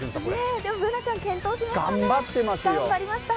でもＢｏｏｎａちゃん、健闘しましたね。